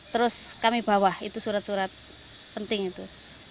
terus kami bawa itu surat surat penting itu